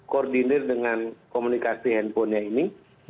koordinir dengan komunikasi handphonenya ini